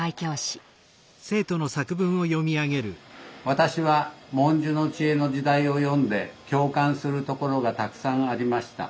「私は『“文殊の知恵”の時代』を読んで共感するところがたくさんありました」。